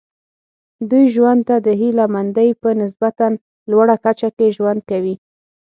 دوی ژوند ته د هیله مندۍ په نسبتا لوړه کچه کې ژوند کوي.